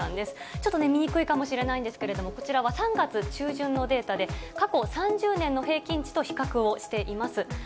ちょっと見にくいかもしれないんですけど、こちらは３月中旬のデータで、過去３０年の平均値と比較をしています。